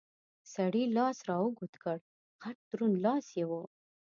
سړي لاس را اوږد کړ، غټ دروند لاس یې و.